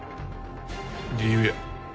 理由や。